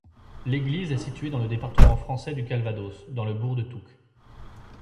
L'église est située dans le département français du Calvados, dans le bourg de Touques.